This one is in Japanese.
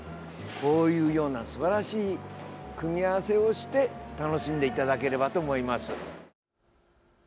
こういうようなすばらしい組み合わせをして楽しんでいただければと思います。